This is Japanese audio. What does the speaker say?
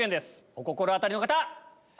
お心当たりの方！